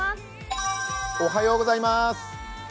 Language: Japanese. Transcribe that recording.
おはようございます。